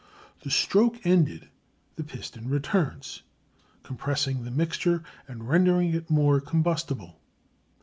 The stroke ended, the piston returns, compressing the mixture and rendering it more combustible.